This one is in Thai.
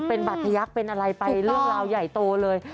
เป็นบัตรทยักษ์เป็นอะไรไปเรื่องราวใหญ่โตเลย